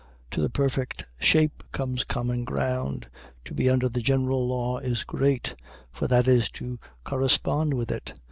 To the perfect shape comes common ground. To be under the general law is great, for that is to correspond with it.